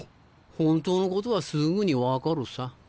本当のことはすぐに分かるさ。